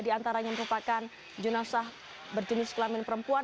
tiga diantara yang merupakan jenazah berjenis kelamin perempuan